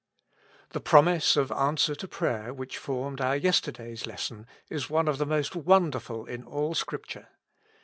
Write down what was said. THE promise of answer to prayer which formed our yesterday's lesson is one of the most won derful in all Scripture.